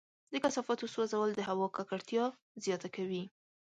د کثافاتو سوځول د هوا ککړتیا زیاته کوي.